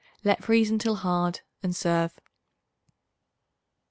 Let freeze until hard and serve.